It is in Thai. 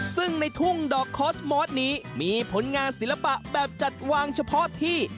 ซึ่งในทุ่งดอกคอสมอสนี้มีผลงานศิลปะแบบจัดวางเฉพาะที่